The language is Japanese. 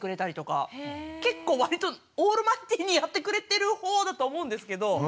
結構わりとオールマイティーにやってくれてるほうだと思うんですけど。